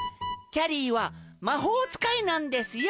ゃりーはまほうつかいなんですよ。